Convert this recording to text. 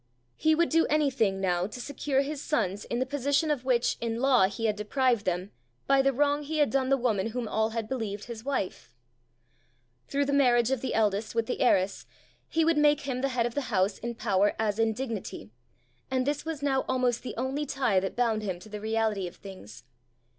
He would do anything now to secure his sons in the position of which in law he had deprived them by the wrong he had done the woman whom all had believed his wife. Through the marriage of the eldest with the heiress, he would make him the head of the house in power as in dignity, and this was now almost the only tie that bound him to the reality of things.